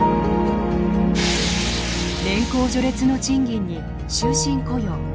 年功序列の賃金に終身雇用。